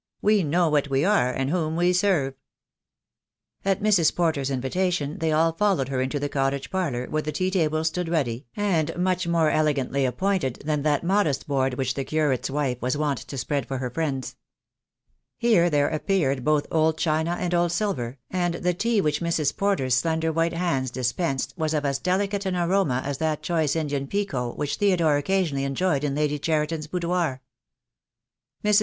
We know what we are, and whom we serve." At Mrs. Porter's invitation they all followed her into the cottage parlour, where the tea table stood ready, and much more elegantly appointed than that modest board which the curate's wife was wont to spread for her friends. Here there appeared both old china and old silver, and 122 THE DAY WILL COME. the tea which Mrs. Porter's slender white hands dispensed was of as delicate an aroma as that choice Indian pekoe which Theodore occasionally enjoyed in Lady Cheriton's boudoir. Mrs.